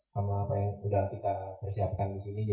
sama apa yang udah kita persiapkan di sini